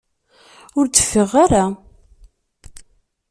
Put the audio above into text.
Ur d-fiɣeɣ ara.